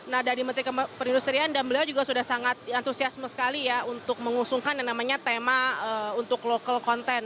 nah dari menteri perindustrian dan beliau juga sudah sangat antusiasme sekali ya untuk mengusungkan yang namanya tema untuk local content